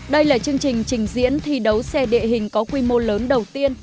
đây là chương trình trình diễn thi đấu xe địa hình có quy mô lớn đầu tiên